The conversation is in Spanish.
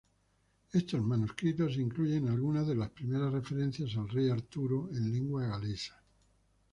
Estos manuscritos incluyen algunas de las primeras referencias al rey Arturo en lengua galesa.